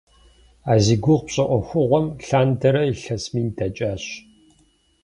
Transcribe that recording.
А зи гугъу пщӏы ӏуэхугъуэм лъандэрэ илъэс мин дэкӏащ.